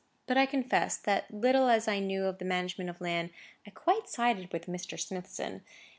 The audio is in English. But, I confess, that little as I knew of the management of land, I quite sided with Mr. Smithson.